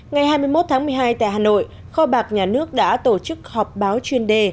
ngày hai mươi một tháng một mươi hai tại hà nội kho bạc nhà nước đã tổ chức họp báo chuyên đề